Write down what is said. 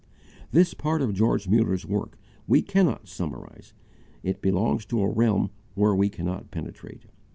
This part of George Muller's work we cannot summarize: it belongs to a realm where we cannot penetrate.